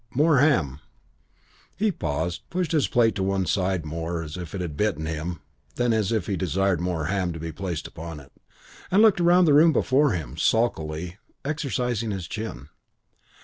More ham." He paused, pushed his plate to one side more as if it had bitten him than as if he desired more ham to be placed upon it, and looked around the room before him, sulkily, and exercising his chin.